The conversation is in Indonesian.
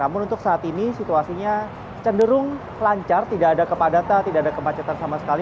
namun untuk saat ini situasinya cenderung lancar tidak ada kepadatan tidak ada kemacetan sama sekali